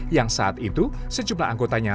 yang saat itu sejumlah anggotanya